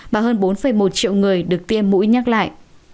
và hơn bốn một triệu người được tiêm mũi nhắc lại